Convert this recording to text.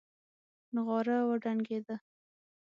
نغاره وډنګېده.